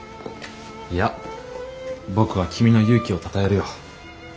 いや僕は君の勇気をたたえるよ。